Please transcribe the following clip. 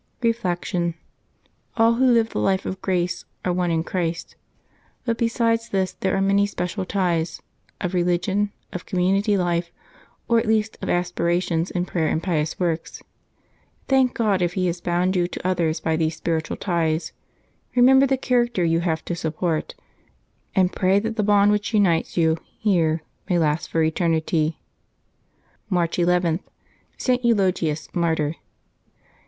Reflection. — All who live the life of grace are one in Christ. But besides this there are many special ties — of religion, of community life, or at least of aspirations in prayer, and pious works. Thank God if He has bound you to others by these spiritual ties ; remember the character you have to support, and pray that the bond which unites you here may last for eternity. March ii.— ST. EULOGIUS, Martyr.